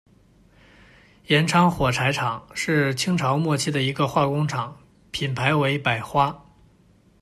炎昌火柴厂，是清朝末期的一个化工厂，品牌为“百花”。